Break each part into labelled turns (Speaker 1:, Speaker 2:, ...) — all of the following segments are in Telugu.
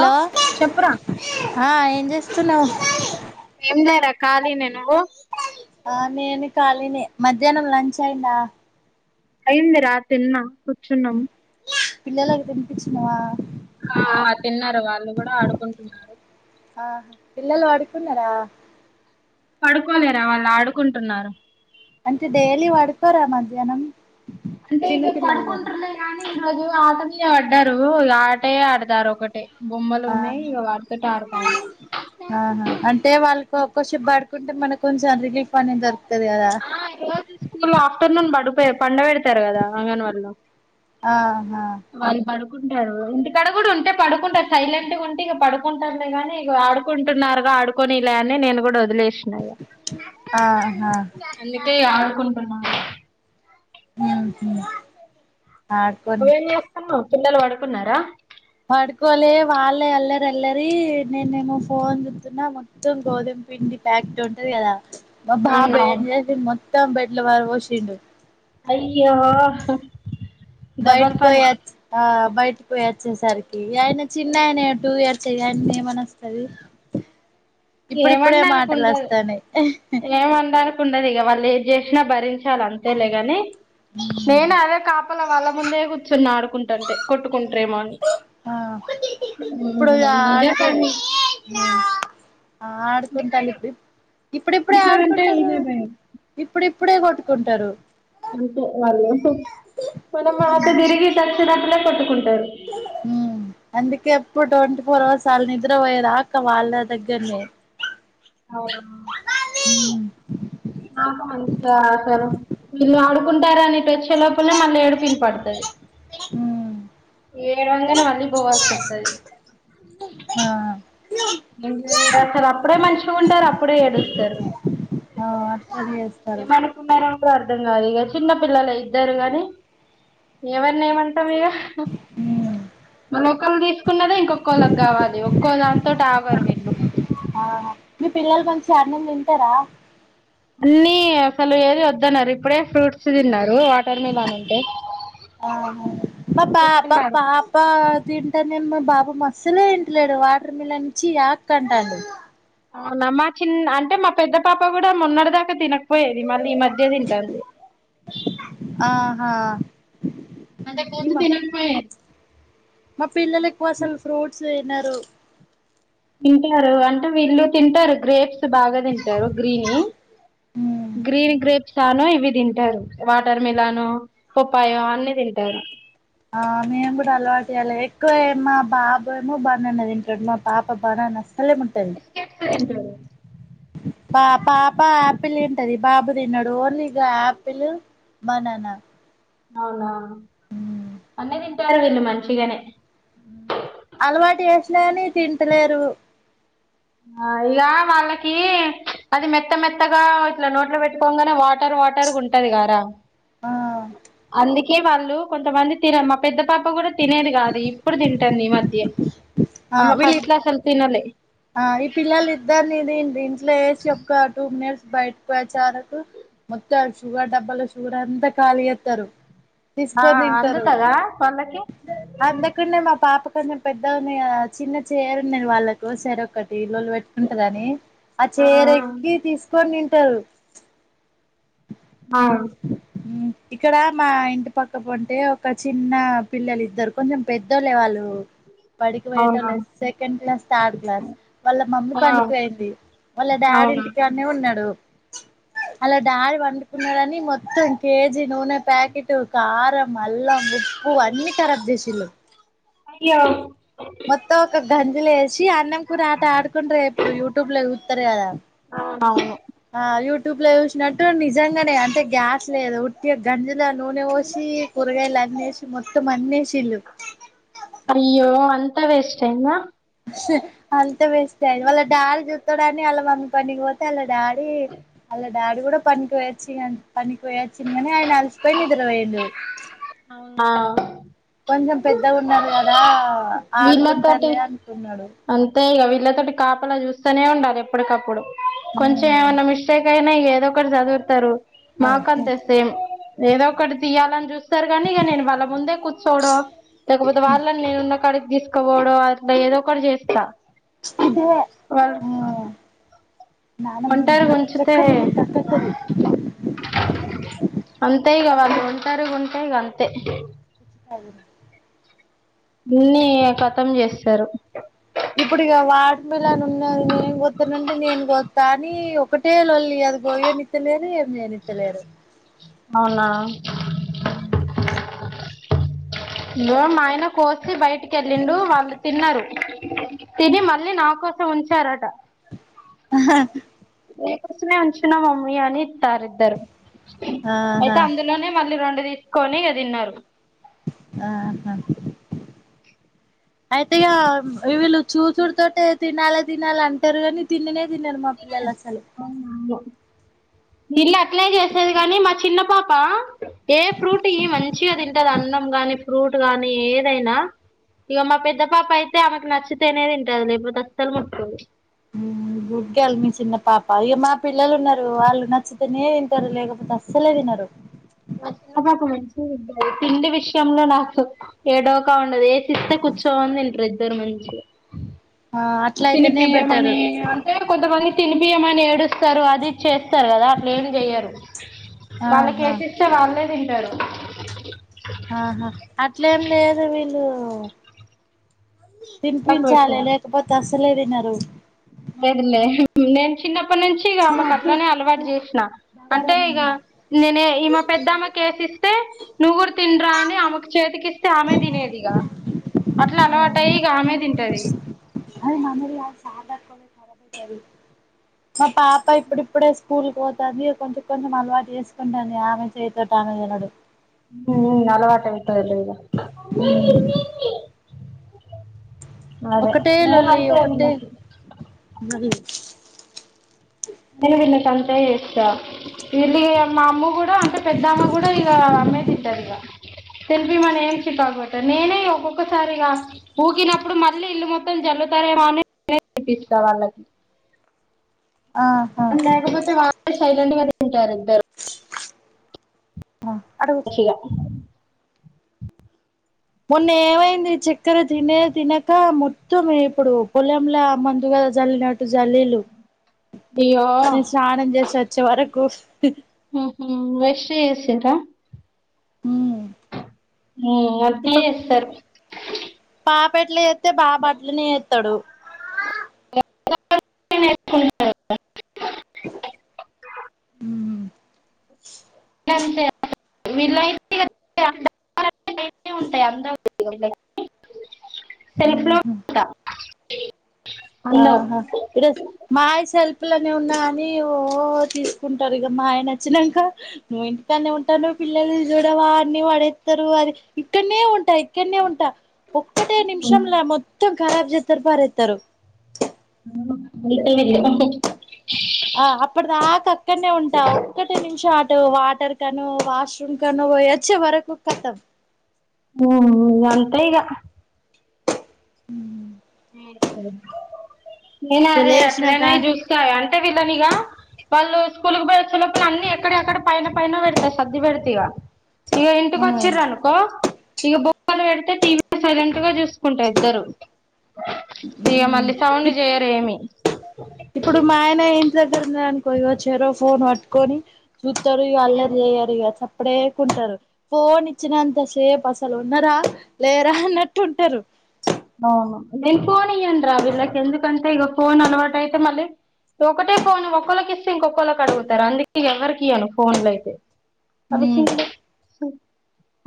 Speaker 1: ఆ చెప్పురా
Speaker 2: ఆహ్ ఏం చేస్తున్నావు
Speaker 1: ఇంద ర ఖాలినా నువ్వు
Speaker 2: ఆ నేను ఖాలీనే మధ్యాహ్నం లంచ్ అయిందా
Speaker 1: అయిందిరా తిన్నా కుర్చున్నాం
Speaker 2: పిల్లలకి తినిపించినవా
Speaker 1: ఆహ్ తిన్నారు వాళ్లు కుడా ఆడుకుంటున్నారు
Speaker 2: ఆ పిల్లలు పడుకున్నారా
Speaker 1: పడుకోలేర వాళ్ళు ఆడుకుంటున్నారు
Speaker 2: అంటే డైలీ పడుకొరా మధ్యాహ్నం
Speaker 1: అంటే
Speaker 2: చిన్న
Speaker 1: ఇక
Speaker 2: పిల్లలు కదా
Speaker 1: పడుకుంటుడే కానీ ఈ రోజు ఆట మీద పడ్డారు ఇగ ఆటే ఆడుతారు ఒకటే, బొమ్మలు
Speaker 2: ఆహ్
Speaker 1: ఉన్నాయి ఇగ వాటితోటి
Speaker 2: హా
Speaker 1: ఆడతారు
Speaker 2: ఆ అంటే వాళ్ళు కో కొద్ది సేపు పడు అంటే మనకు కొంచెం రిలీఫ్ అని దోర్
Speaker 1: ఆహ్ ‌ ఈరోజు స్కూల్ ఆఫ్టర్నూన్ పడు పండపెడుతారు కదా అంగన్ వడిలో
Speaker 2: ఆహా
Speaker 1: వాళ్లు పడు పడుంటారు ఇంటికడా కూడా ఉంటే పడుకుంటారు సైలెంట్ గా ఉంటే ఇంగ పడుకుంటలేగాని ఇగో ఆడుకుంటున్నారుగా ఆడుకొనిలే అని నేను కూడా వ
Speaker 2: ఆహా
Speaker 1: [unintelligible] ఆడుకుంటున్నారు
Speaker 2: హ్మ్ హు
Speaker 1: ఏం చేస్తున్నావ్ పిల్లలు పడుకున్నారా
Speaker 2: పడుకోలే వాళ్ళే అల్లరి అల్లరి నేనేమో ఫోన్ చుతున్నా మొత్తం గోధుమ పిండి ప్యాకెట్ ఉంటది కదా మా బాబు ఏం
Speaker 1: అవునవును
Speaker 2: చేసిండు మొత్ మొత్తం బెడ్ ల పారబోసిండు
Speaker 1: అయి యో డబల్
Speaker 2: బయటకి
Speaker 1: పని
Speaker 2: పోయి ఆ బయటకి పోయి వచ్చేసరికి ఈ అయిన చిన్నయననే టు ఇయర్ చేయండి ఏమనివస్తది
Speaker 1: ఏమన్న అనుకుంటరు ఏమానడానికి ఉండదు ఇగ వాళ్ళ ఎది చేసినా భరించాలి అంతేలే గాని నేను అదే కాపు లోపల వాళ్ళ ముందే కూర్చున్న ఆడుకుంటుంటే కొట్టుకుంటారేమో అని
Speaker 2: అ ఇప్పుడు ఇగ
Speaker 1: ఇదే
Speaker 2: అడుకు
Speaker 1: పని
Speaker 2: ఆ ఆడుకుంటా లిప్పుీ ఇప్పుడిప్పుడే
Speaker 1: ఇంటికాడంటే
Speaker 2: ఆడుకుంటరు
Speaker 1: ఇదే భయం
Speaker 2: ఇప్పుడుప్పు ఇప్పుడే కొట్టుకుంటారు
Speaker 1: [inaudible] మనం అటు తిరిగి తక్షణప్పునే కొట్టుకుంటారు
Speaker 2: ఇప్పుడు ట్వంటీ ఫోర్ అవర్స్ వాళ్ళ నిద్ర పోయేదాకా వాళ్ళ దగ్గరనే
Speaker 1: ఆ
Speaker 2: హ్మ్
Speaker 1: నాకు మంచిగా అవసరం వీళ్ళు ఆడుకుంటారు అనేటి వచ్చే లోపలే మళ్ళీ ఏడిపిన పడుతది
Speaker 2: హ్మ్
Speaker 1: ఏడు వంగనే మళ్ళీ పోవాల్సి వస్తది
Speaker 2: ఆ
Speaker 1: అసలు అప్పుడే మంచిగా ఉండారు అప్పుడే ఏడుస్ స్తారు
Speaker 2: ఆ అట్లనే చేస్తారు
Speaker 1: ఏమనుకున్నారు అని కూడ అర్ధం ఇంగ అదిగా చిన్న పిల్లలు ఇద్దరు గానీ ఎవరిని ఏమం టమే ఆహ్
Speaker 2: ఉమ్
Speaker 1: మళ్ళ ఒక్కళ్ళు తీసుకున్నదే ఇంకొక్కళ్ళకి కావాలి ఒక్కో దాం తోటి ఆగరు వీళ్ళు
Speaker 2: ఆ మీ పిల్లలు మంచిగ అన్నం తింటరా
Speaker 1: అన్నీ అసలు ఏది వద్దనరు ఇప్పుడే ఫ్రూట్స్ తిన్నారు వా
Speaker 2: ఆహా పా పా పపా
Speaker 1: కూర్చున్నారు
Speaker 2: పాప తిన్ అంటే మేం మా బాబు మస్సలే తింటలేడు వాటర్ మిలన్ ఛీ యాక్ అంటాండు
Speaker 1: అవునా మా చిన్న అంటే మా పెద్ద పాప కూడా మొన్నటిదాకా తినక పోయేది మళ్ళీ ఈ మధ్య తింటంది
Speaker 2: హా
Speaker 1: తినకపోయేది
Speaker 2: మా పిల్లలకు అసలు ఫ్రూట్స్ తినరు
Speaker 1: తింటారు అంటే వీళ్ళు తింటారు గ్రేప్స్ బాగా తింటారు గ్రీనివి
Speaker 2: ఉమ్
Speaker 1: గ్రీన్ గ్రేప్స్ తాను ఇవి తింటారు వాటర్ మిలాను పప్పాయ అన్నీ తింటారు
Speaker 2: ఆ మేం కూడా అలవాటు చెయ్యాలి ఎక్కువే మా బాబేమో బనానా దింటాడు మా పాప బనానస్
Speaker 1: మిస్టేక్స్ [inaudible] [unintelligible]
Speaker 2: పా పా పా పిల్ తింటది బాబు తినడు ఓన్లీ గా ఆపిల్ బనానా
Speaker 1: అవునా అన్నీ దిన్ టారు వీళ్ళు మంచిగానే
Speaker 2: అలవాటు చేసినా గానీ తింటలేరు
Speaker 1: ఆ ఇగా వాళ్ళకి అది మెత్త మెత్తగా ఇట్లా నోట్లో పెట్టుకోంగానే వా టర్ వాటర్ గుంటదిగా రా
Speaker 2: ఆ
Speaker 1: అందుక్ కి వాళ్ళు కొంతమంది తిరం మా పెద్ద పాప కూడా తినేది గాదు ఇప్పుడు తింటంది ఈ మధ్ ద్యె
Speaker 2: ఆ
Speaker 1: అమె
Speaker 2: వీళ్ళి
Speaker 1: ఫస్ట్ లో అసలు తినలే
Speaker 2: ఆ ఈ పిల్లలు ఇద్దరిన్ [unintelligible] ట్ల చేసి ఒక్క టూ మినిట్స్ బైటికివోయి వచ్చే వరకు మొత్తం షుగర్ డబ్బాలో షుగర్ అంతా ఖాళీ చేేత్తరు
Speaker 1: ఆ
Speaker 2: తీసుకొని తింటారు
Speaker 1: అందుతదా వాళ్ళకి
Speaker 2: అంతకుడనే మా పాప కొ పెద్దగాన్నా చిన్న చేరు ఉన్నాను వాళ్ళకి కో చేరొకటి ఇల్లులు పెట్టుకుంటదని ఆ చీరెక్కి తీస్ కొని తింటారు
Speaker 1: ఆ
Speaker 2: ఇక్కడ మా ఇంటి పక్క ప ఉంటే ఒక చిన్న పిల్లలు ఇద్దరు కొంచెం పెద్దోళ్ళ వాళ్ళు పడికి పోయటం
Speaker 1: అవునా
Speaker 2: లేదు సెకండ్ క్లాస్ థర్డ్ క్లాస్ వాళ్ళ మమ్మీ
Speaker 1: ఆ
Speaker 2: పనికి పోయింది వాళ్ళ డాడీ
Speaker 1: అవునా
Speaker 2: ఇంటికానే ఉన్నాడు వాళ్ళ డాడీ పండుకున్నడని మొత్తం కేజీ నూనె ప్యాకెట్ కారం అల్లం ఉప్పు అన్ని రబ్ దసలు
Speaker 1: అయ్యో
Speaker 2: లేస్ చ్చి అన్నం కూరి ఆట ఆడుకుంట్ర ఇప్పుడు యూట్యూబ్ లో చూతారు కద
Speaker 1: అవునవును
Speaker 2: ఆ యూట్యూ ట్యూబ్ లో చూసినట్టు నిజంగానే అంటే గ్యాస్ లేదు ఉట్టి గంజలో నూనె పోసి కూరగాయలు అన్నేసి మొత్తం అన్నసిల్లు
Speaker 1: అయ్యో అంతా వేస్ట్ అయ్యిందా
Speaker 2: అంత బెస్ట్ అయిది వాళ్ళ డాడి జుత్తడాన్ని ఆళ్ళ మమ్మీ పనికిపోతే అలా డాడ్ డాడీ కూడా పనికి వేచ్చి పనికి వేచ్చింది గానీ ఆయన అలిసిపోయి నిద్ర పోయిండు
Speaker 1: ఆ
Speaker 2: కొంచెం పెద్దగా ఉన్నారు కదా
Speaker 1: వీళ్ళతోటి
Speaker 2: ఆడుకుంటారులే అనుకున్నాడు
Speaker 1: వీళ్లతోటి కాపలా చూస్తూనే ఉండాలి ఎప్పటికప్పుడు కొంచెం
Speaker 2: ఉమ్
Speaker 1: ఏమైన్నా మిస్టేక్ అయినా ఏదో ఒకటి సదువతరు
Speaker 2: ఓకే
Speaker 1: మాకంతే సేమ్ ఏదో ఒకటి తీయాలని చూస్ రు కాని నేను వాళ్ళ ముందే కూర్చోడం లేకపోతే వాళ్ళని నేను కడికి తీసుకపోవడం అట్లా ఏదో ఒకటి చేస్తా
Speaker 2: ఇదే ఆ
Speaker 1: వాళ్ళు
Speaker 2: నానమ్మ
Speaker 1: ఒంటరిగా ఉంచుతే
Speaker 2: చక్కర మిల్లన్ కట్టేత్తది
Speaker 1: అంత ఇగా
Speaker 2: వాటర్
Speaker 1: వాళ్లు
Speaker 2: మిల్లన్
Speaker 1: ఒంటారిగా
Speaker 2: పుచ్చకాయ
Speaker 1: ఉంటా ఇగ
Speaker 2: తిను
Speaker 1: అంతే
Speaker 2: [inaudible]
Speaker 1: న్నీ క తం చేస్తారు
Speaker 2: ఇప్పుడు ఇగ వాటర్ మిలన్ ఉన్నది నేను కొత్తానంటే నేను కొత్త అని ఒకటే లొల్లి అది గోయో నిత్తలేరు ఏ చేయనిత్తలేరు
Speaker 1: అవునా ఇగో మా ఆయన కోసి బయటికి వెళ్ళిండు వాళ్ళు తిన్నారు తిని మళ్ళీ నా కోసం ఉంచారట నీకోసమే ఉంచిన్నాం మమ్మీ అని యిత్తరు ఇద్దరు అయితే
Speaker 2: ఆహా
Speaker 1: అందులోనే మళ్ళీ రెండు తీసుకొని ఇగ తిన్నారు
Speaker 2: ఆహా అయితే ఇగా వీళ్ళు చూసుడు తోటే తినాలే తినాలే అంటారు కాని తిననే తినరు మా పిల్లల అసలు
Speaker 1: విళ్ళు అట్లే చేసేది కానీ మా చిన్న పాప ఏ ఫ్రూట్ ఇయ్యి మంచిగా తి టది అన్నం గాని ఫ్రూట్ గాని ఏదైనా ఇగా మా పెద్ద పాప అయితే ఆమెకి నచ్చితేనే తింటది లేకపోతే అసలు ముట్టుకోదు
Speaker 2: ఉమ్ గు గల్ చిన్న పాప అయ్యో మా పిల్లలు ఉన్నారు వాళ్ళు నచ్చుతేనే తింటారు లేకపోతే అస్సలే తినరు
Speaker 1: మా చిన్న పాప మంచిగా తింటది తిండి విషయంలో నాకు ఏడోకా ఉండదు ఏసి ఇస్తే కూర్చొని తింటారు ఇద్దరు మంచిగా
Speaker 2: ఆ అట్లా అయితేనే బెటరు
Speaker 1: తినిపియమని అంటే కొంతమంది తినిపి తినిపియమని ఏడుస్తారు అది చే థరు కదా అట్లా ఏమి చెయ్యరు వాళ్ల
Speaker 2: ఆహా
Speaker 1: కేసిస్తే వాళ్లే చలో
Speaker 2: ఆహా అట్లేం లేదు వీళ్ళు
Speaker 1: పక్కకు
Speaker 2: థిన్‌పిన్‌చాలే లేకపోతే అసల్ అసలే తినారు
Speaker 1: లేదలే నేను చిన్న అప్ప నుంచి ఇ
Speaker 2: అది వద్దు
Speaker 1: అమెకుట్లనే అలవాటు చేసిన అంటే
Speaker 2: బగారన్నం
Speaker 1: ఇక నేనే ఈ పెద్దమ్మ కేసిస్తే నువ్గురు తిండరా అని ఆ చేతికిస్స్త హమమెదినదిగా
Speaker 2: ఉహుమ్ అది మా పాప ఇప్పుడిప్పుడే స్కూల్కి పోతుంది కొంచెం కొంచెం అలవాటు చేసుకుంటాంది ఆమె చేయతోటి ఆమె వెలడు
Speaker 1: పారెల్దు గా
Speaker 2: ఉమ్
Speaker 1: అదే
Speaker 2: ఒకటే
Speaker 1: నేను
Speaker 2: లల్లి
Speaker 1: అంతే
Speaker 2: ఒకటే
Speaker 1: వీళ్ళకి
Speaker 2: ఉమ్
Speaker 1: నను విన్న సంతయి డా వీళ మా అమ్మ కూడా అంటే పెద్ద అమ్మ కూడా ఇక అమ్మే తింటారు ఇక తెలిపి మన ఏం చెప్పాబట్టి నేనే ఒక్కొక్కసారిగా ఊకినప్పుడు మళ్ళీ ఇల్లు మొత్త చల్లుతారేమో అనినిపిస్తా వాళ్ళకి
Speaker 2: ఆహా
Speaker 1: లేకాపోతే సైలడి ఉంట ది
Speaker 2: ఉమ్ అడ కుస్ మొన్న ఏమైంది చిక్ ఇ దినే దినక ము మొత్తమే ఇప్పుడు పొలంలో మందుగా జల్లినట్టు జల్లీలు
Speaker 1: అయ్యో
Speaker 2: నేను స్నానం చేసి వచ్చే వరకు
Speaker 1: వెష ఇసరా
Speaker 2: హ
Speaker 1: ఉ మ సార్
Speaker 2: పెట్లు ఎస్తతే బాబాట్లనే వస్తాడు
Speaker 1: నేను
Speaker 2: అ
Speaker 1: అంతే వీళ్ళయితే కదాంటాయి అ సెల్ఫ్ లోన్
Speaker 2: ఉహు ఆహా ఇరోజు మాయ సెల్ప్ పప్పులనే ఉన్నా అని ఓ తీసుకుంటారు ఇగ మ ఆయన వచ్చినంక నువ్వు ఇంటికనే ఉంటాను పిల్లలు చూడ వా అన్ని పడేత్తరు అది ఇక్కడనే ఉంటాయి ఇక్కనే ఉంటా ఒక్కటే నిమిషంలా మొత్తం కరాబ్ చేత్తరు పారెతరు
Speaker 1: ఉంటే
Speaker 2: ఆ అప్పటి దాకా అక్కడనే ఉంటా ఒక్కటే నిమిషం అటు వాటర్ కన్నా వాష్ రూం కన్నా పోయే వచ్చే వరకు కతమ్
Speaker 1: ఓహో ఇగ అంతే ఇకా
Speaker 2: ఉ
Speaker 1: ఆహో నేను
Speaker 2: ఇగ
Speaker 1: అది
Speaker 2: లేసినాక
Speaker 1: అట్లనే చూస్తాగాని వీళ్ళనిగా వాళ్ళు స్కూల్కి పోయి వచ్చేలోపల అన్ని ఎక్కడ ఎక్కడ పైన పైన పెడతా సర్ది పెడిత ఇక ఇక ఇంటికి
Speaker 2: ఆ
Speaker 1: వచ్చిర్రనుకో ఇక బొమ్మలు పెడితే టీవీ సైలెంట్ గా చూసుకుంటారు ఇద్దరు ఇగ
Speaker 2: ఉమ్
Speaker 1: మళ్ళీ సౌండ్
Speaker 2: ఇప్
Speaker 1: చేయరు ఏమి
Speaker 2: ఇప్పుడు మా ఆయన ఏం దగ్గర వున్నారనుకో చెరో ఫోన్ పట్టుకొని చూతారు ఇగ అల్లరి చేయ్యరు ఇగ చప్ప అప్పుడేకుంటారు ఫోన్ ఇచ్చినంత సేపు అసలు ఉన్నరా లేరా అన్నట్టు ఉంటారు
Speaker 1: అవును నేను ఫోన్ ఇయ్యాను రా వీళ్ళకి ఎందుకంటే ఇక ఫోన్ అలవాటు అయితే మళ్ళీ ఒకటే ఫోన్ ఒకళ్ళకి ఇస్తే ఇంకొకళ్ళకి అడుగుతారు అందుక ఎవరికి ఇయ్యను ఫోన్ లో అయితే అవి
Speaker 2: ఉమ్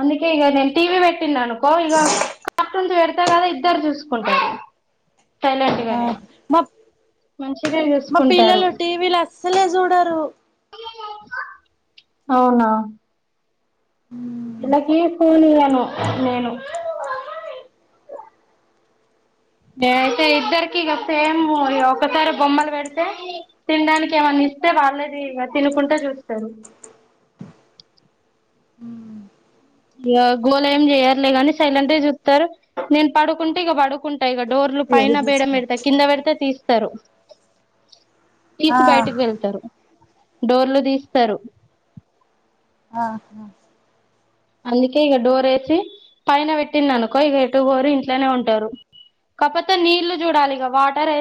Speaker 1: అందుకే ఇక నేను టీవీ పెట్టినా అనుకో ఇక కార్టూన్ కదా ఇద్దరు చూసుకుంటారు సైలెంట్
Speaker 2: ఆ
Speaker 1: గానే
Speaker 2: మా ప్
Speaker 1: మంచినే
Speaker 2: మా
Speaker 1: చూసుకుంటారు
Speaker 2: పిల్లలు టీవీలు అస్సలే చూడరు
Speaker 1: అవునా వీళ్ళకి ఫోన్ ఇయ్య నేను అయితే ఇద్దరికిక సేమ్ ఒకసారి బొమ్మలు పెడితే తినడానికి ఏమన్నా ఇస్తే వాళ్ళేది ఇగ తినుకుంటే చూస్తారు ఇ గోళ ఏం చేయారు లే గాని సైలెంట్గా చూస్తారు నేను పడుకుంటే ఇక పడుకుంటే ఇగ డోర్లు
Speaker 2: ఇగో ఇది
Speaker 1: పైన బేయడం
Speaker 2: తీసుకో
Speaker 1: పెడత కింద పెడితే తీస్త తరు
Speaker 2: ఆ
Speaker 1: తీసి బయటకి వెళ్తారు డోర్లు తీస్తారు
Speaker 2: ఆ హా
Speaker 1: అందుకే ఇక డోర్ వేసి పైన పెట్టింది అనుకో ఇక ఎటుగోరు ఇంట్లోనే ఉంటారు కాకపోతే నీళ్లు చూడాలి ఇక వాటర్